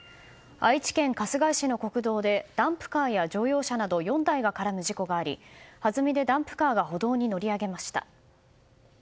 愛知県春日井市の国道でダンプカーや乗用車など４台が絡む事故がありはずみでダンプカーが歩道に乗り上げました。